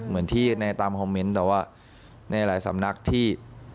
เหมือนที่ในตามคอมเมนต์แต่ว่าในหลายสำนักที่